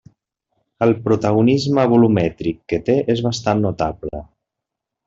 El protagonisme volumètric que té és bastant notable.